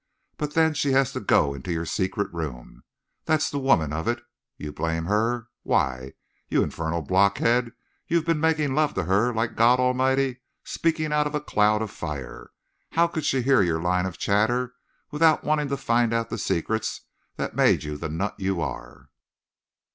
But then she has to go into your secret room. That's the woman of it. You blame her? Why, you infernal blockhead, you've been making love to her like God Almighty speaking out of a cloud of fire! How could she hear your line of chatter without wanting to find out the secrets that made you the nut you are?